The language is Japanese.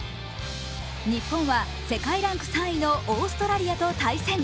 日本は世界ランク３位のオーストラリアと対戦。